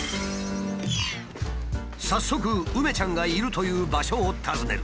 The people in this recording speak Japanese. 早速梅ちゃんがいるという場所を訪ねる。